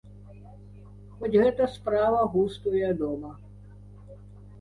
Хоць гэта справа густу, вядома.